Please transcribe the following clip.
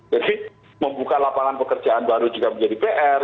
jadi membuka lapangan pekerjaan baru juga menjadi pr